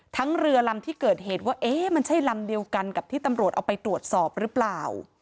เรือลำที่เกิดเหตุว่าเอ๊ะมันใช่ลำเดียวกันกับที่ตำรวจเอาไปตรวจสอบหรือเปล่า